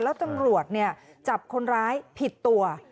แล้วตำรวจจับคนร้ายผิดตัว